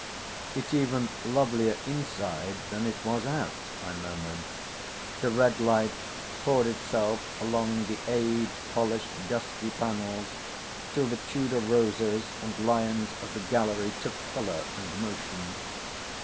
"It's even lovelier inside than it was out," I murmured. The red light poured itself along the age polished dusky panels till the Tudor roses and lions of the gallery took colour and motion.